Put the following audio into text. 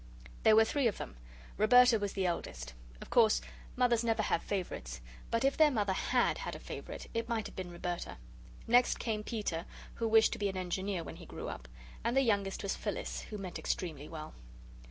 There were three of them. Roberta was the eldest. Of course, Mothers never have favourites, but if their Mother HAD had a favourite, it might have been Roberta. Next came Peter, who wished to be an Engineer when he grew up; and the youngest was Phyllis, who meant extremely well.